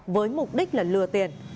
với mục đích là lừa tiền